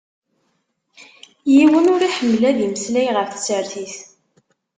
Yiwen ur iḥemmel ad imeslay ɣef tsertit.